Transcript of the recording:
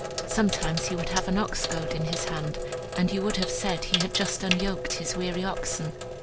Sometimes he would have an ox goad in his hand, and you would have said he had just unyoked his weary oxen.